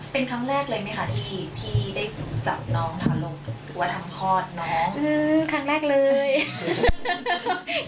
เป็นครั้งแรกเลยไหมคะที่พี่ได้จับน้องทะลงหรือว่าทำพอดน้อง